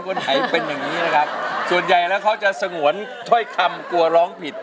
คนไหนเป็นอย่างงี้นะครับส่วนใหญ่แล้วเขาจะสงวนถ้อยคำกลัวร้องผิด